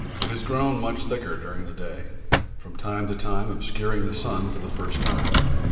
It has grown much thicker during the day, from time to time obscuring the sun for the first time.